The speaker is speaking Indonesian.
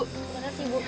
terima kasih bu